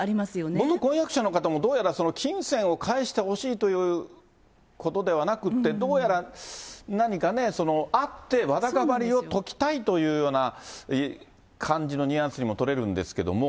元婚約者の方も、どうやら金銭を返してほしいということではなくって、どうやら何かね、あって、わだかまりを解きたいという感じのニュアンスにも取れるんですけれども。